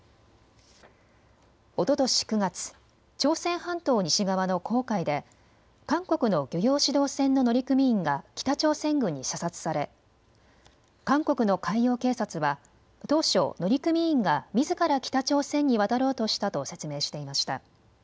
おととし９月、朝鮮半島西側の黄海で韓国の漁業指導船の乗組員が北朝鮮軍に射殺され韓国の海洋警察は当初、乗組員がみずから北朝鮮に渡ろうとしたと説明していました。